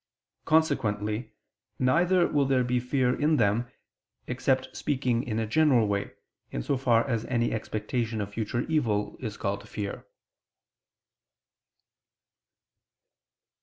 Consequently neither will there be fear in them; except speaking in a general way, in so far as any expectation of future evil is called fear.